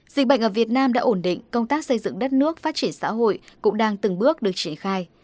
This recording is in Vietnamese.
dịch bệnh ở việt nam đã ổn định công tác xây dựng đất nước phát triển xã hội cũng đang từng bước được triển khai